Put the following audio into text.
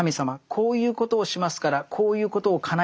こういうことをしますからこういうことをかなえて下さい」。